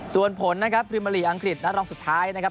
ส่วนผลนะครับพรีเมอร์ลีกอังกฤษนัดรองสุดท้ายนะครับ